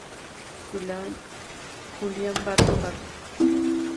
Julián Barrio Barrio.